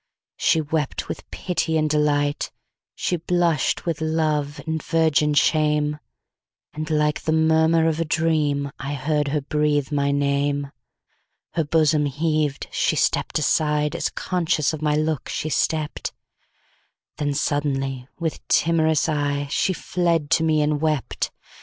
She wept with pity and delight, She blush'd with love and virgin shame; And like the murmur of a dream,I heard her breathe my name. Her bosom heaved—she stepp'd aside, As conscious of my look she stept—Then suddenly, with timorous eyeShe fled to me and wept.